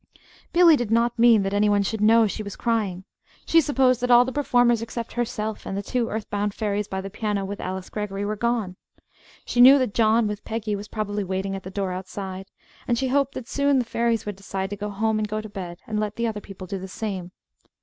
Billy did not mean that any one should know she was crying. She supposed that all the performers except herself and the two earth bound fairies by the piano with Alice Greggory were gone. She knew that John with Peggy was probably waiting at the door outside, and she hoped that soon the fairies would decide to go home and go to bed, and let other people do the same.